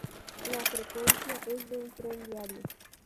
La frecuencia es de un tren diario.